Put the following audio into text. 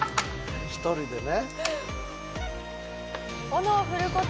一人でね。